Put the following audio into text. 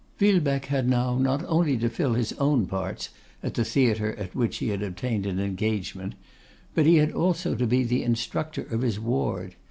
Villebecque had now not only to fill his own parts at the theatre at which he had obtained an engagement, but he had also to be the instructor of his ward.